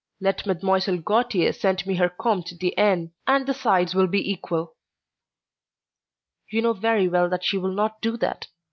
"Let Mlle. Gautier send me her Comte de N. and the sides will be equal." "You know very well that she will not do that.